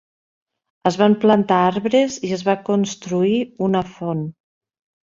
Es van plantar arbres i es va construir una font.